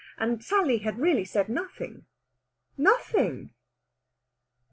And Sally had really said nothing nothing!